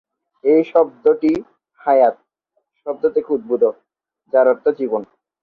এই শব্দটি "হায়াত" শব্দ থেকে উদ্ভূত, যার অর্থ "জীবন"।